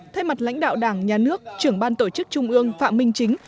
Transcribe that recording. thay mặt lãnh đạo đảng nhà nước trưởng ban tổ chức trung ương phạm minh chính